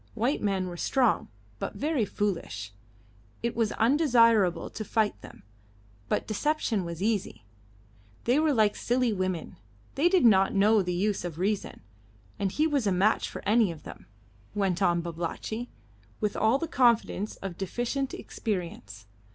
White men were strong, but very foolish. It was undesirable to fight them, but deception was easy. They were like silly women they did not know the use of reason, and he was a match for any of them went on Babalatchi, with all the confidence of deficient experience.